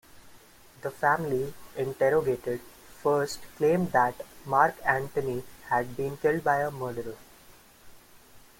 The family, interrogated, first claimed that Marc-Antoine had been killed by a murderer.